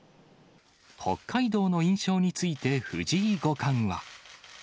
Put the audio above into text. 北海道の印象について、藤井五冠は。